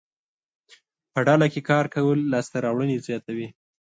په ډله کې کار کول لاسته راوړنې زیاتوي.